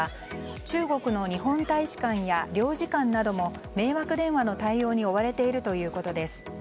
中国の日本大使館や領事館なども迷惑電話の対応に追われているということです。